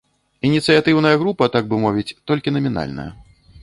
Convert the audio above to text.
Ініцыятыўная група, так бы мовіць, толькі намінальная.